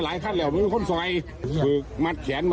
แล้วเขาหาตำรวจก่อน